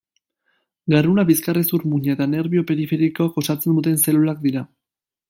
Garuna, bizkarrezur-muina eta nerbio periferikoak osatzen duten zelulak dira.